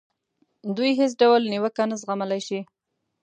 دوی هېڅ ډول نیوکه نه زغملای شي.